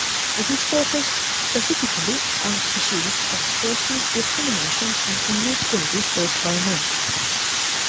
It focused specifically on issues of perceived discrimination and inequalities faced by men.